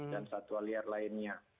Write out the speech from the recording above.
dan satwa liar lainnya